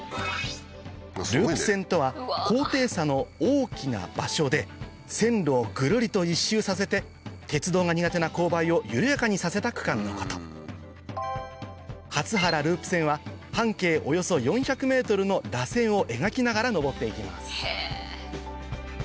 ループ線とは高低差の大きな場所で線路をぐるりと一周させて鉄道が苦手な勾配を緩やかにさせた区間のこと鳩原ループ線は半径およそ４００ｍのらせんを描きながら上っていきます